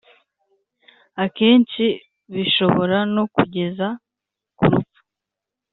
Akenshi bishobora no kugeza ku rupfu,